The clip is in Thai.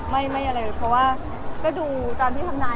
ไม่มีความสุขก็เฉย